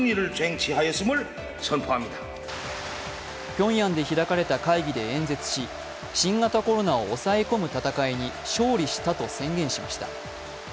ピョンヤンで開かれた会議で演説し新型コロナを抑え込む戦いに勝利したと宣言しました。